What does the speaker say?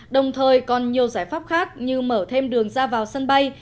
đồng thời còn nhiều giải pháp khác như mở thêm đường ra vào sân bay